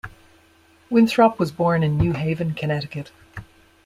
Winthrop was born in New Haven, Connecticut.